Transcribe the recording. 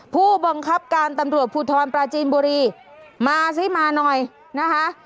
ผู้บังคับการตำรวจภูทรปราจีนบุรีมาสิมาหน่อยนะคะ